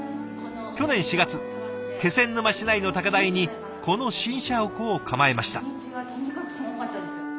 去年４月気仙沼市内の高台にこの新社屋を構えました。